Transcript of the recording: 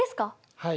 はい。